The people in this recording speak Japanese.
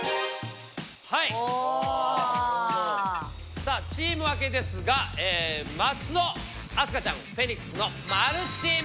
さあチーム分けですが松尾明日香ちゃんフェニックスの○チーム。